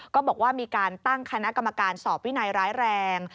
ก็บอกว่ามีการตั้งคณะกรรมการสอบวินัยร้ายแรง